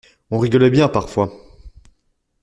On rigolait bien parfois.